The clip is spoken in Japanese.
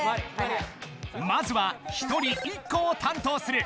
まずは１人１個を担当する。